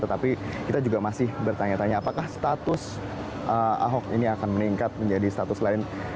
apakah status ahok ini akan meningkat menjadi status lain